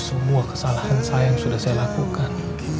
semua kesalahan saya yang sudah saya lakukan